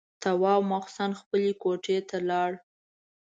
تواب ماخستن خپلې کوټې ته لاړ.